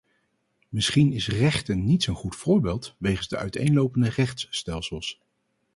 Misschien is rechten niet zo'n goed voorbeeld wegens de uiteenlopende rechtsstelsels.